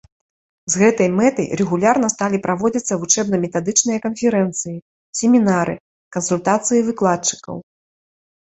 З гэтай мэтай рэгулярна сталі праводзіцца вучэбна-метадычныя канферэнцыі, семінары, кансультацыі выкладчыкаў.